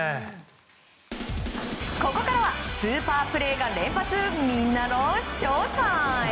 ここからはスーパープレーが連発みんなのＳＨＯＷＴＩＭＥ！